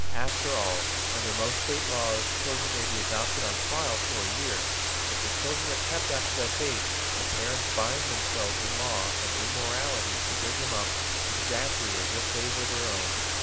After all, under most state laws, children may be adopted on trial for a year. If the children are kept after that date, the parents bind themselves in law and in morality to bring them up exactly as if they were their own.